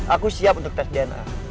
aku siap untuk tes dna